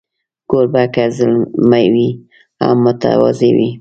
کوربه که زلمی وي، هم متواضع وي.